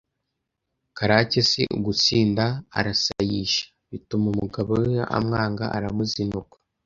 Karake si ugusinda arasayisha! bituma umugabo we amwanga aramuzinukwa